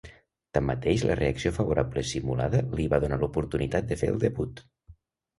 Tanmateix, la reacció favorable simulada li va donar l'oportunitat de fer el debut.